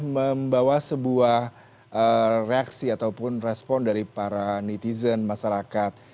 membawa sebuah reaksi ataupun respon dari para netizen masyarakat